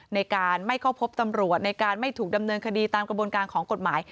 ในการไม่เข้าพบตำรวจในการไม่ถูกดำเนินคดีตามกระบวนการของกฎหมาย